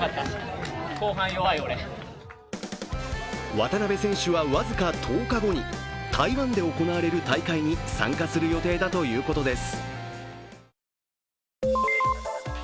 渡辺選手は僅か１０日後に台湾で行われる大会に参加する予定だということです。